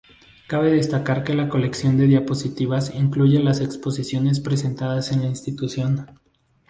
Cabe destacar que la colección de diapositivas incluye las exposiciones presentadas en la institución.